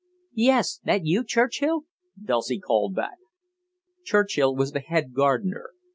"Yes. That you, Churchill?" Dulcie called back. Churchill was the head gardener.